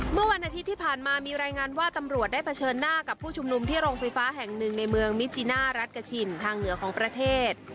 เมื่อวันอาทิตย์ที่ผ่านมามีรายงานว่าตำรวจได้เผชิญหน้ากับผู้ชุมนุมที่โรงไฟฟ้าแห่งหนึ่งในเมืองมิจิน่ารัฐกะชินทางเหนือของประเทศ